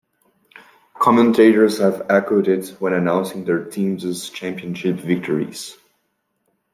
Commentators have echoed it when announcing their team's championship victories.